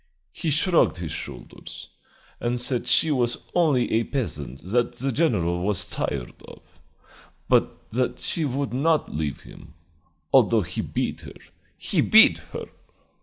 He shrugged his shoulders, and said she was only a peasant that the general was tired of, but that she would not leave him, although he beat her. He beat her!"